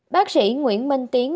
bác sĩ nguyễn minh tiến